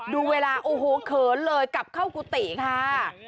ดูเวลาโอ้โหเขินเลยกลับเข้ากุฏิค่ะ